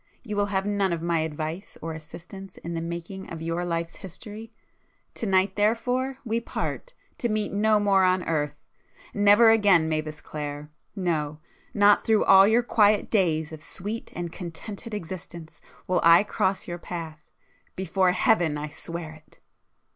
You will have none of my advice or assistance in the making of your life's history,—to night therefore we part, to meet no more on earth. Never again, Mavis Clare!—no, not through all your quiet days of sweet and contented existence will I cross your path,—before Heaven I swear it!"